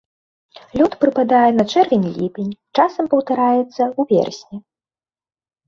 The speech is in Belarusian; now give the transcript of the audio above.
Лёт прыпадае на чэрвень-ліпень, часам паўтараецца ў верасні.